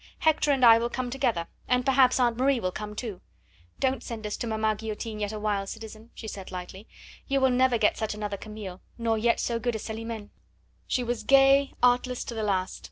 Hector and I will come together, and perhaps Aunt Marie will come too. Don't send us to maman guillotine yet awhile, citizen," she said lightly; "you will never get such another Camille, nor yet so good a Celimene." She was gay, artless to the last.